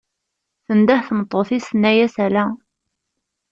tendeh tmeṭṭut-is tenna-as ala.